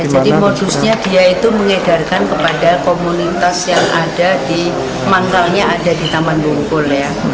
modusnya dia itu mengedarkan kepada komunitas yang ada di manggalnya ada di taman bungkul ya